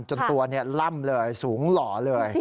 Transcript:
จนตัวล่ำเลยสูงหล่อเลย